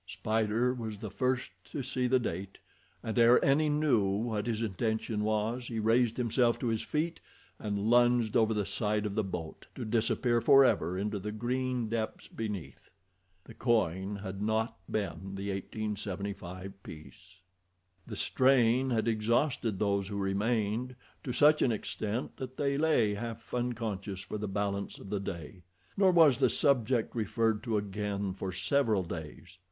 Spider was the first to see the date, and ere any knew what his intention was he raised himself to his feet, and lunged over the side of the boat, to disappear forever into the green depths beneath—the coin had not been the 1875 piece. The strain had exhausted those who remained to such an extent that they lay half unconscious for the balance of the day, nor was the subject referred to again for several days.